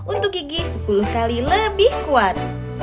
untuk gigi sepuluh kali lebih kuat